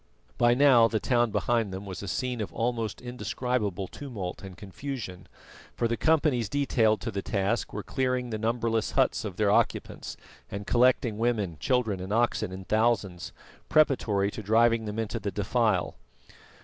By now the town behind them was a scene of almost indescribable tumult and confusion, for the companies detailed to the task were clearing the numberless huts of their occupants, and collecting women, children and oxen in thousands, preparatory to driving them into the defile.